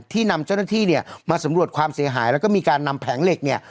นำเจ้าหน้าที่เนี่ยมาสำรวจความเสียหายแล้วก็มีการนำแผงเหล็กเนี่ย